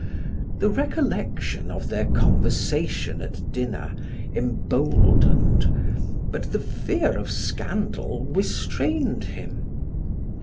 The recollection of their conversation at dinner emboldened, but the fear of scandal restrained him.